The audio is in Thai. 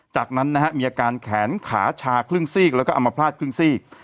จากนั้นนะฮะมีอาการแขนขาชาครึ่งซีกแล้วก็อัมพาตครึ่งซีก